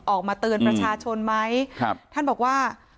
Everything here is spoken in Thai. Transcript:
ออกมาเตือนประชาชนไหมครับท่านบอกว่า